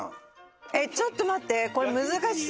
えっちょっと待ってこれ。